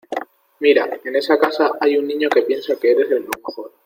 Mira, en esa casa hay un niño que piensa que eres lo mejor.